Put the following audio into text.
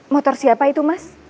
motor siapa itu mas